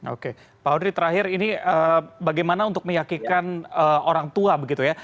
oke pak audrey terakhir ini bagaimana untuk meyakinkan orang tua begitu ya